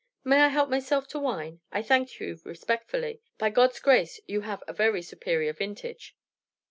May I help myself to wine? I thank you respectfully. By God's grace, you have a very superior vintage."